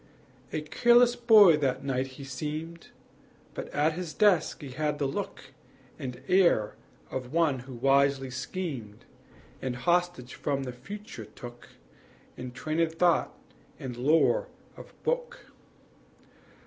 A careless boy that night be seemed; But at his desk he had the look And air of one who wisely schemed, And hostage from the future took In trained thought and lore of book.